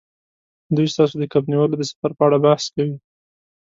دوی ستاسو د کب نیولو د سفر په اړه بحث کوي